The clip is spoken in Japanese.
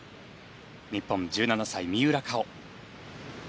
日本、１７歳三浦佳生。